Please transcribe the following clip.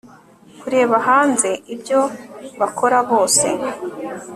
Kureba hanze ibyo bakora bose